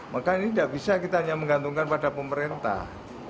maka ini tidak bisa kita hanya menggantungkan pada pemerintah